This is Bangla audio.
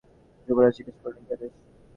যুবরাজ জিজ্ঞাসা করিলেন, কী আদেশ।